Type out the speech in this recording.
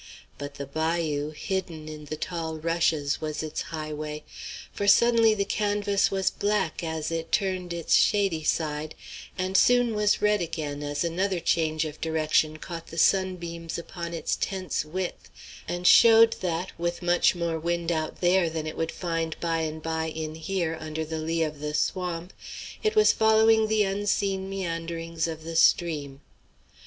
But the bayou, hidden in the tall rushes, was its highway; for suddenly the canvas was black as it turned its shady side, and soon was red again as another change of direction caught the sunbeams upon its tense width and showed that, with much more wind out there than it would find by and by in here under the lee of the swamp, it was following the unseen meanderings of the stream.